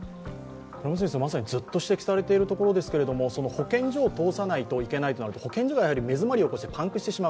まさにずっと指摘されているところですけれども、保健所を通さないといけないとなると保健所が目詰まりを起こしてパンクしてしまう。